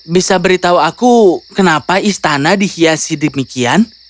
bisa beritahu aku kenapa istana dihiasi demikian